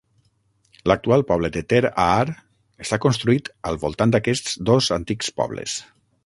L'actual poble de Ter Aar està construït al voltant d'aquests dos antics pobles.